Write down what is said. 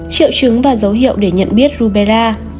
triệu chứng và dấu hiệu để nhận biết rubella